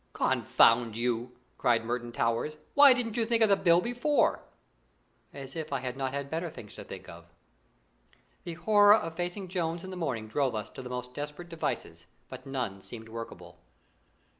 "Confound you!" cried Merton Towers. "Why didn't you think of the bill before?" As if I had not better things to think of! The horror of facing Jones in the morning drove us to the most desperate devices; but none seemed workable.